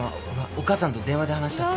お母さんと電話で話したって。